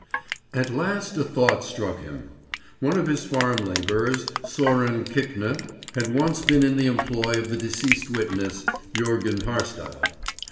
At last a thought struck him. One of his farm labourers, Sören Kvikne, had once been in the employment of the deceased witness, Jörgen Haarstad.